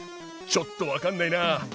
ちょっと分かんないなぁ。